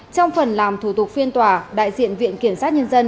trong phần làm thủ tục phiên tòa đại diện viện kiểm sát nhân dân